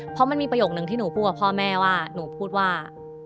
เพราะมันมีประโยคนึงที่หนูพูดกับพ่อแม่ว่าหนูพูดว่า